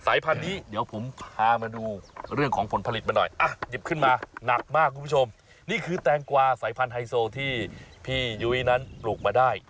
พันธุ์นี้เดี๋ยวผมพามาดูเรื่องของผลผลิตมาหน่อยอ่ะหยิบขึ้นมาหนักมากคุณผู้ชมนี่คือแตงกวาสายพันธไฮโซที่พี่ยุ้ยนั้นปลูกมาได้